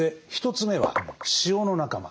３つ目は酒の仲間。